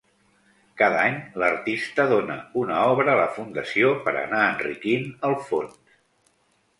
Cada any l'artista dóna una obra a la fundació per anar enriquint el fons.